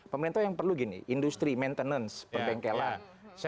pemerintah yang perlu gini industri maintenance perbengkelan